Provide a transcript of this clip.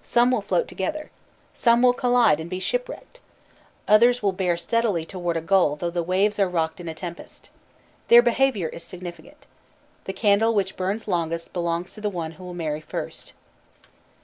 Some will float together. Some will collide and be shipwrecked. Others will bear steadily toward a goal though the waves are rocked in a tempest. Their behavior is significant. The candle which burns longest belongs to the one who will marry first.